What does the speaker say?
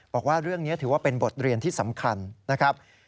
บอกว่าเรื่องนี้ถือว่าเป็นบทเรียนที่สำคัญนะครับ